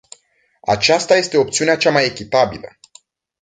Aceasta este opțiunea cea mai echitabilă.